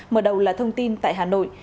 mở đầu là thông tin tại hà nội